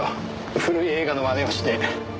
古い映画のまねをして。